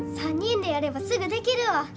３人でやればすぐできるわ。